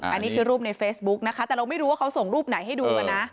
อันนี้คือรูปในเฟซบุ๊กนะคะแต่เราไม่รู้ว่าเขาส่งรูปไหนให้ดูกันนะ